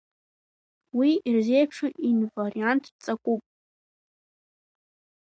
Уи ирзеиԥшу инварианттә ҵакуп.